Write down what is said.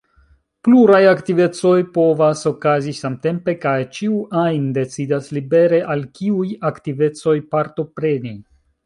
Pluraj aktivecoj povas okazi samtempe kaj ĉiu ajn decidas libere al kiuj aktivecoj partopreni.